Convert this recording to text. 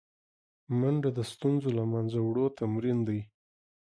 منډه د ستونزو له منځه وړو تمرین دی